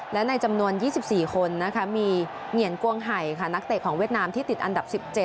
และในจำนวน๒๔คนมีเหงียนกวงไห่ค่ะนักเตะของเวียดนามที่ติดอันดับ๑๗